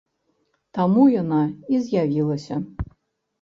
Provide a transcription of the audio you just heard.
Таму яна і з'явілася.